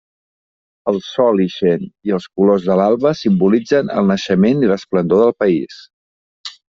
El sol ixent i els colors de l'alba simbolitzen el naixement i l'esplendor del país.